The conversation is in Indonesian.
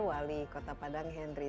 wali kota padang henry